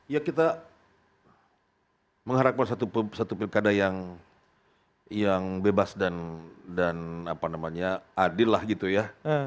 ya kita mengharapkan satu pilkada yang bebas dan adil lah gitu ya